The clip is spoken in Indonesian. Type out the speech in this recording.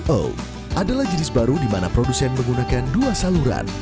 jenis b dua o atau o dua o adalah jenis baru di mana produsen menggunakan dua saluran